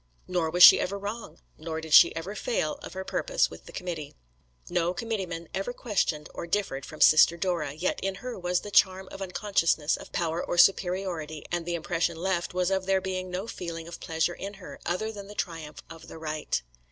Nor was she ever wrong; nor did she ever fail of her purpose with the committee. No committeemen ever questioned or differed from Sister Dora, yet in her was the charm of unconsciousness of power or superiority and the impression left was of there being no feeling of pleasure in her, other than the triumph of the right.